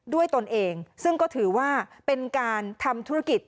ตนเองซึ่งก็ถือว่าเป็นการทำธุรกิจ